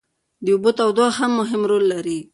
د اوبو تودوخه هم مهم رول لري.